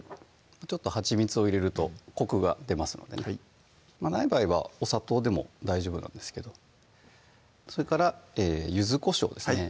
ちょっとはちみつを入れるとコクが出ますのでねない場合はお砂糖でも大丈夫なんですけどそれから柚子こしょうですね